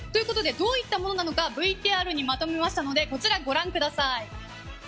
どういったものなのかＶＴＲにまとめましたのでご覧ください。